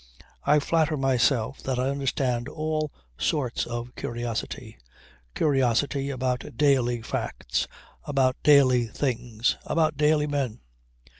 I flatter myself that I understand all sorts of curiosity. Curiosity about daily facts, about daily things, about daily men.